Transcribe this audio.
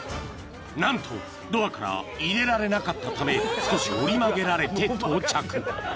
［何とドアから入れられなかったため少し折り曲げられて到着］